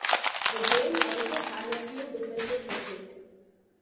The game also had a few defensive techniques.